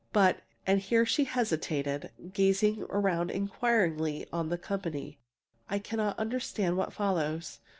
"But," and here she hesitated, gazing around inquiringly on the company, "I cannot understand what follows.